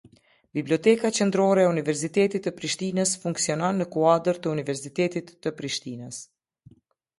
Biblioteka Qendrore e Universitetit të Prishtinës funksionon në kuadër të Universitetit të Prishtinës.